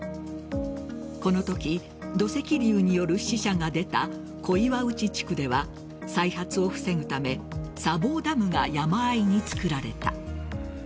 このとき土石流による死者が出た小岩内地区では再発を防ぐため砂防ダムが山あいに造られた。